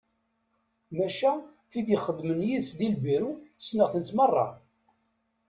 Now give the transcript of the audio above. Maca, tid ixeddmen yid-s di lbiru ssneɣ-tent merra.